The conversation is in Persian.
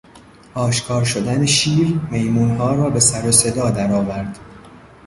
اشکار شدن شیر، میمونها را به سر و صدا درآورد.